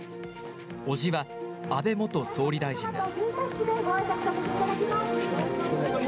伯父は安倍元総理大臣です。